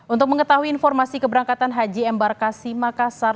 untuk mengetahui informasi keberangkatan haji embarkasi makassar